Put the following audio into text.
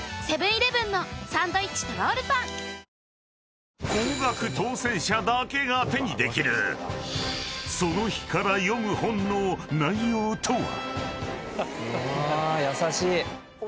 ニトリ［高額当せん者だけが手にできる『その日から読む本』の内容とは？］